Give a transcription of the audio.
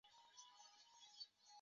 曾祖父潘彦可。